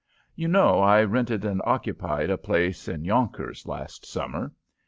"You know I rented and occupied a place in Yonkers last summer.